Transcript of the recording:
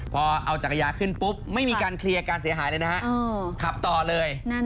พอเอาจักรยานขึ้นปุ๊บไม่มีการเคลียร์การเสียหายเลยนะฮะขับต่อเลย